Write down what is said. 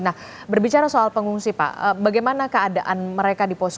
nah berbicara soal pengungsi pak bagaimana keadaan mereka di poso